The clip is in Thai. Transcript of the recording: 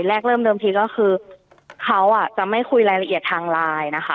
แรกเริ่มเดิมทีก็คือเขาจะไม่คุยรายละเอียดทางไลน์นะคะ